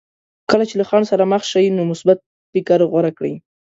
کله چې له خنډ سره مخ شئ نو مثبت فکر غوره کړئ.